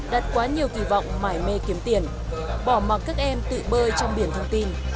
đặt quá nhiều kỳ vọng mải mê kiếm tiền bỏ mặt các em tự bơi trong biển thông tin